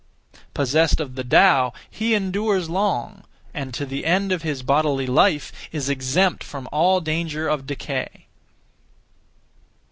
Possessed of the Tao, he endures long; and to the end of his bodily life, is exempt from all danger of decay.